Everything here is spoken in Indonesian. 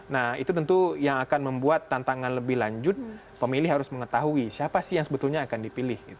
nah itu tentu yang akan membuat tantangan lebih lanjut pemilih harus mengetahui siapa sih yang sebetulnya akan dipilih